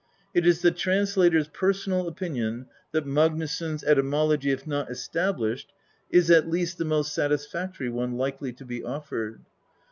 It is the translator's personal opinion that Magniisson's etymology, if not established, is at least the most satisfac tory one likely to be offered.